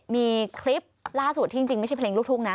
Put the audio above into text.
มีคลิปล่าสุดที่จริงไม่ใช่เพลงลูกทุ่งนะ